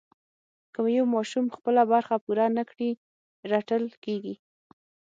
که یو ماشوم خپله برخه پوره نه کړي رټل کېږي.